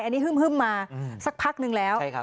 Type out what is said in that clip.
อันนี้ฮึ่มมาสักพักนึงแล้ว